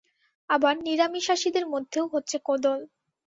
আবার নিরামিষাশীদের মধ্যেও হচ্ছে কোঁদল।